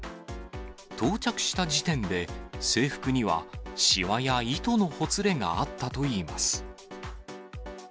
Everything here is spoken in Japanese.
到着した時点で、制服にはしわや糸のほつれがあったといいます。